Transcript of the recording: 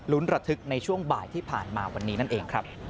ระทึกในช่วงบ่ายที่ผ่านมาวันนี้นั่นเองครับ